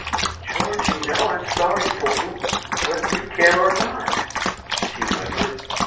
"George, you know I'm sorry for you, whether you care or not," she whimpered.